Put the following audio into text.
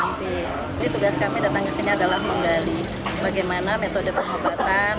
jadi tugas kami datang ke sini adalah menggali bagaimana metode pengobatan